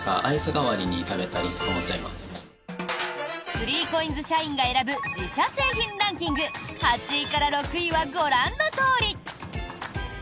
３ＣＯＩＮＳ社員が選ぶ自社製品ランキング８位から６位は、ご覧のとおり。